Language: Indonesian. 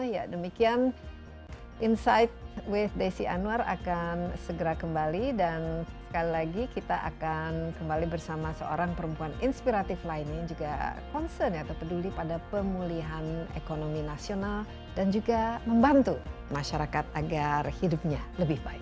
ya demikian insight with desi anwar akan segera kembali dan sekali lagi kita akan kembali bersama seorang perempuan inspiratif lainnya juga concern atau peduli pada pemulihan ekonomi nasional dan juga membantu masyarakat agar hidupnya lebih baik